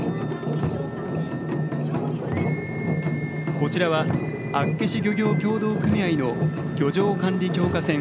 こちらは厚岸漁業協同組合の漁場管理強化船